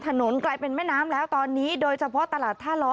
ถนนกลายเป็นแม่น้ำแล้วตอนนี้โดยเฉพาะตลาดท่าล้อ